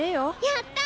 やった！